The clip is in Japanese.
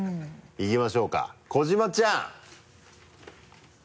いきましょうか小島ちゃん！